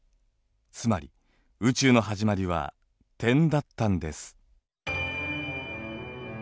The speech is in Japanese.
つまり「宇宙のはじまり」は点だったんです。